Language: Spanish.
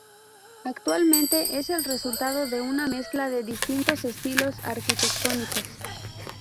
Actualmente es el resultado de una mezcla de distintos estilos arquitectónicos.